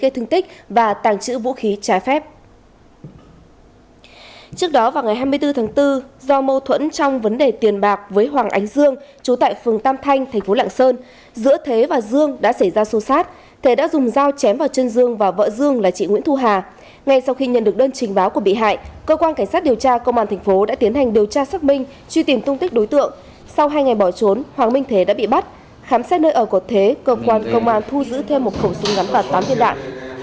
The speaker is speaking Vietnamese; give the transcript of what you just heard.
một mươi bốn tháng bốn do mâu thuẫn trong vấn đề tiền bạc với hoàng ánh dương chú tại phường tam thanh tp lạng sơn giữa thế và dương đã xảy ra xô xát thế đã dùng dao chém vào chân dương và vợ dương là chị nguyễn thu hà ngay sau khi nhận được đơn trình báo của bị hại cơ quan cảnh sát điều tra công an tp đã tiến hành điều tra xác minh truy tìm tung tích đối tượng sau hai ngày bỏ trốn hoàng minh thế đã bị bắt khám xét nơi ở của thế cơ quan công an thu giữ thêm một khẩu súng gắn và tám thiên đạn